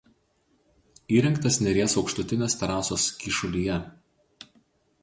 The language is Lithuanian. Įrengtas Neries aukštutinės terasos kyšulyje.